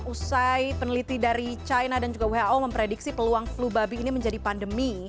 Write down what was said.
usai peneliti dari china dan juga who memprediksi peluang flu babi ini menjadi pandemi